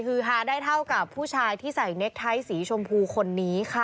คือฮาได้เท่ากับผู้ชายที่ใส่เน็กไทท์สีชมพูคนนี้ค่ะ